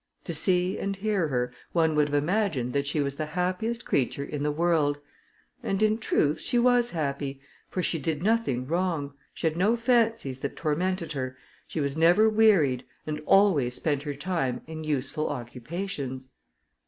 To see and hear her, one would have imagined that she was the happiest creature in the world; and in truth she was happy, for she did nothing wrong, she had no fancies that tormented her, she was never wearied, and always spent her time in useful occupations.